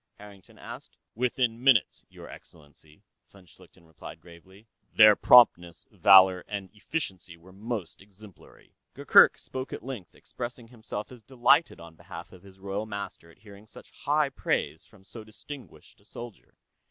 Harrington asked. "Within minutes, Your Excellency," von Schlichten replied gravely. "Their promptness, valor, and efficiency were most exemplary." Gurgurk spoke at length, expressing himself as delighted, on behalf of his royal master, at hearing such high praise from so distinguished a soldier.